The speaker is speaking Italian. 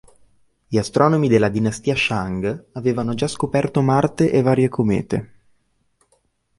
Gli astronomi della dinastia Shang avevano già scoperto Marte e varie comete.